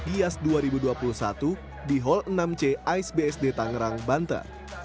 gias dua ribu dua puluh satu di hall enam c ais bsd tangerang banten